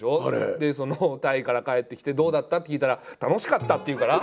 そのタイから帰ってきて「どうだった？」って聞いたら「楽しかった」って言うから。